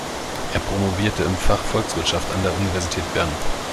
Er promovierte im Fach Volkswirtschaft an der Universität Bern.